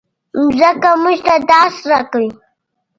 مځکه موږ ته درس راکوي.